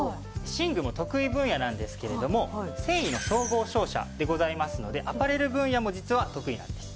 寝具も得意分野なんですけれども繊維の総合商社でございますのでアパレル分野も実は得意なんです。